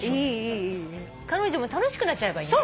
彼女も楽しくなっちゃえばいいね。